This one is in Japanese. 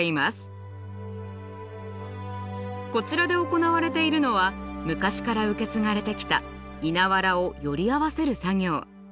こちらで行われているのは昔から受け継がれてきた稲わらをより合わせる作業。